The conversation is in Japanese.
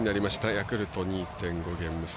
ヤクルト２．５ゲーム差。